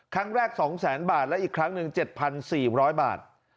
ครั้งแรก๒๐๐๐๐บาทและอีกครั้งหนึ่ง๗๔๐๐บาท